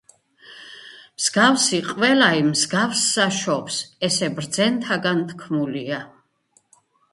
მსგავსი ყველაი მსგავსსა შობს, ესე ბრძენთაგან თქმულია.